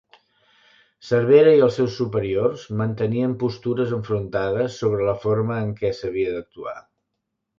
Cervera i els seus superiors mantenien postures enfrontades sobre la forma en què s'havia d'actuar.